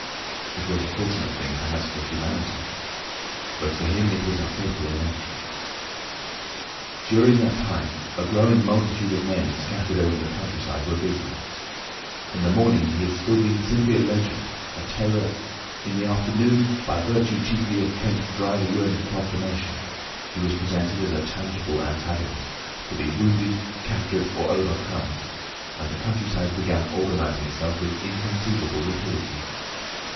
It was a fortunate thing, perhaps, for humanity, but for him it was a fatal inaction. During that time a growing multitude of men scattered over the countryside were busy. In the morning he had still been simply a legend, a terror; in the afternoon, by virtue chiefly of Kemp's drily worded proclamation, he was presented as a tangible antagonist, to be wounded, captured, or overcome, and the countryside began organising itself with inconceivable rapidity.